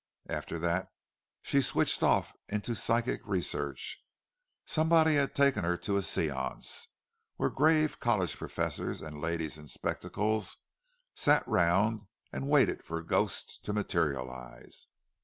After that she switched off into psychic research—somebody had taken her to a seance, where grave college professors and ladies in spectacles sat round and waited for ghosts to materialize.